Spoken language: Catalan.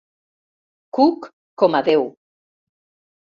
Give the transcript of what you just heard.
Cook com a déu.